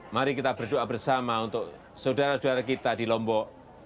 mari kita berdoa bersama untuk saudara saudara kita di lombok